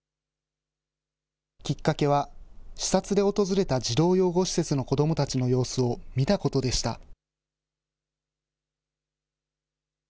きっかけは、視察で訪れた児童養護施設の子どもたちの様子を見たことでした。